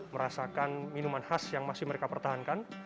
merasakan minuman khas yang masih mereka pertahankan